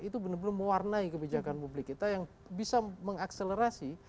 itu benar benar mewarnai kebijakan publik kita yang bisa mengakselerasi